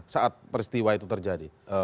saat peristiwa itu terjadi